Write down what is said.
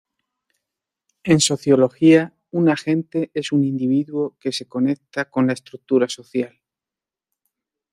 En sociología, un agente es un individuo que se conecta con la estructura social.